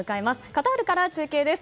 カタールから中継です。